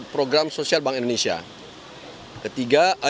program sosial bank indonesia ketiga